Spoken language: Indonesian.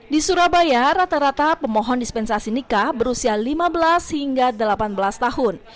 di surabaya rata rata pemohon dispensasi nikah berusia lima belas hingga delapan belas tahun